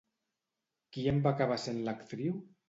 Qui en va acabar sent l'actriu?